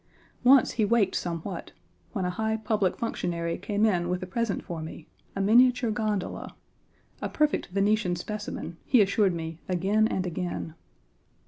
Once, he waked somewhat when a high public functionary came in with a present for me, a miniature gondola, "A perfect Venetian specimen," he assured me again and again.